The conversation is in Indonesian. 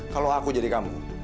kalau aku jadi kamu